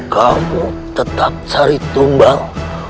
kamu tetap cari tumbang